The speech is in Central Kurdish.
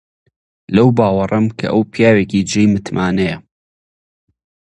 لەو باوەڕەم کە ئەو پیاوێکی جێی متمانەیە.